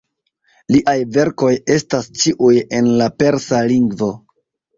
Liaj verkoj estas ĉiuj en la persa lingvo.